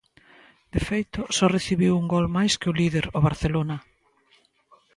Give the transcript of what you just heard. De feito, só recibiu un gol máis que o líder, o Barcelona.